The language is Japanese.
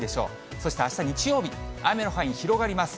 そしてあした日曜日、雨の範囲広がります。